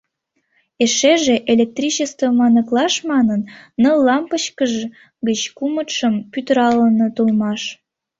Эшеже, электричествым аныклаш манын, ныл лампычкыж гыч кумытшым пӱтыралыныт улмаш.